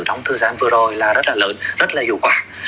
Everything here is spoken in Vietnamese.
trong thời gian vừa rồi là rất là lớn rất là hiệu quả